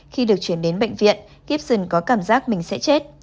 khi được chuyển đến bệnh viện kibson có cảm giác mình sẽ chết